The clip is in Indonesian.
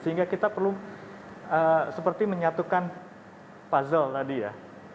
sehingga kita perlu seperti menyatukan puzzle tadi ya